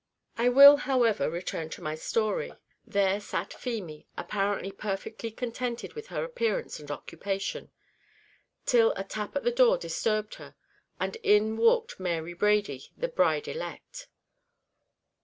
I will, however, return to my story. There sat Feemy, apparently perfectly contented with her appearance and occupation, till a tap at the door disturbed her, and in walked Mary Brady, the bride elect.